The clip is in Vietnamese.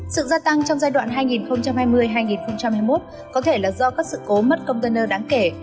sự gia tăng trong giai đoạn hai nghìn hai mươi hai nghìn hai mươi một có thể là do các sự cố mất container đáng kể